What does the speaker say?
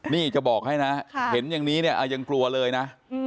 นี่จะบอกให้นะเห็นอย่างนี้เนี่ยยังกลัวเลยนะ